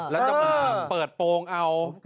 แล้วจะมาเปิดโปรงเอา